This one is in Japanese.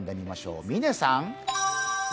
嶺さん。